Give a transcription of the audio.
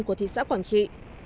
của thị xã quảng trị